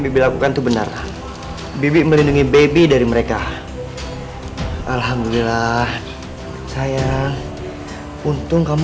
bibi lakukan itu benar bibi melindungi baby dari mereka alhamdulillah saya untung kamu